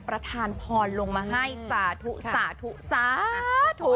ประธานพรลงมาให้สาธุสาธุสาธุ